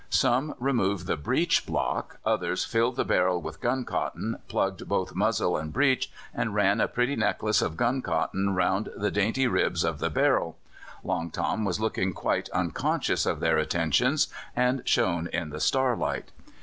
Some removed the breech block, others filled the barrel with gun cotton, plugged both muzzle and breech, and ran a pretty necklace of gun cotton round the dainty ribs of the barrel. Long Tom was looking quite unconscious of their attentions, and shone in the starlight.